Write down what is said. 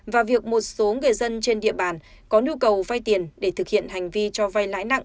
và việc một số người dân trên địa bàn có nhu cầu vay tiền để thực hiện hành vi cho vay lãi nặng